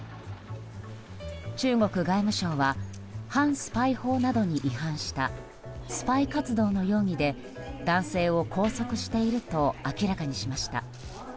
中国外務省は反スパイ法などに違反したスパイ活動の容疑で男性を拘束していると明らかにしました。